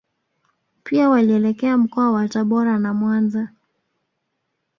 Pia walielekea mkoa wa Tabora na Mwanza